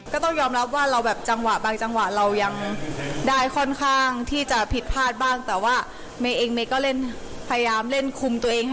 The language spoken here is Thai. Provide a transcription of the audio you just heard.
ก็ต้องยอมรับว่าเราก็แบบบางจังหวะเรายัง